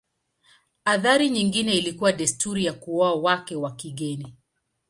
Athari nyingine ilikuwa desturi ya kuoa wake wa kigeni.